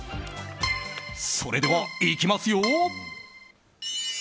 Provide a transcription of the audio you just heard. それでは、いきますよ。